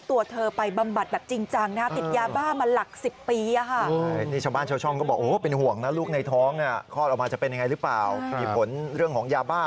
เสียหายหมดเลยครับโอ้โฮ